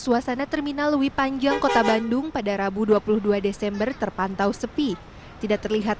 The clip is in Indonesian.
suasana terminal lewi panjang kota bandung pada rabu dua puluh dua desember terpantau sepi tidak terlihat